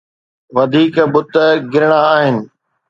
وڌيڪ بت گرڻا آهن.